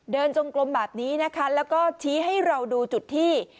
จงกลมแบบนี้นะคะแล้วก็ชี้ให้เราดูจุดที่